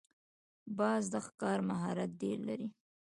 باز د ښکار مهارت ډېر لري